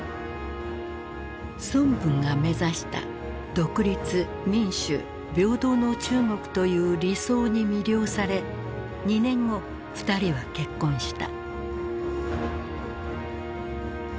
孫文が目指した「独立民主平等の中国」という理想に魅了され２年後２人は結婚した。